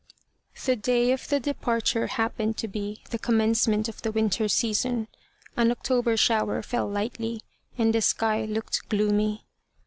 The day of the departure happened to be the commencement of the winter season. An October shower fell lightly, and the sky looked gloomy.